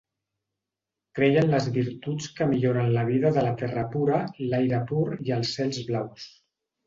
Creia en les virtuts que milloren la vida de la terra pura, l'aire pur i els cels blaus.